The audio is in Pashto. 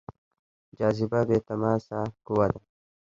جاذبه بې تماس قوه ده.